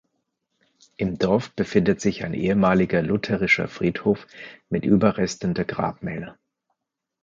Im Dorf befindet sich ein ehemaliger lutherischer Friedhof mit Überresten der Grabmäler.